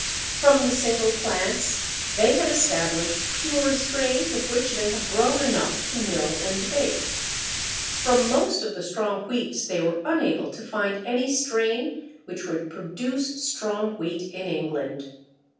From the single plants they have established pure strains of which they have grown enough to mill and bake. From most of the strong wheats they were unable to find any strain which would produce strong wheat in England.